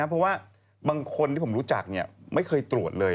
เพราะว่าบางคนที่ผมรู้จักไม่เคยตรวจเลย